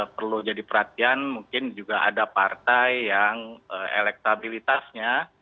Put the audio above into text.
perlu jadi perhatian mungkin juga ada partai yang elektabilitasnya